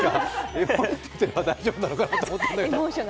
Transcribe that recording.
エモいって言っていれば大丈夫なのかなと思って。